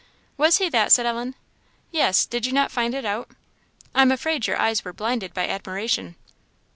"Was he that?" said Ellen. "Yes; did you not find it out? I am afraid your eyes were blinded by admiration."